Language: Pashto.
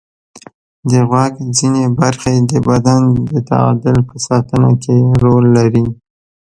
د غوږ ځینې برخې د بدن د تعادل په ساتنه کې رول لري.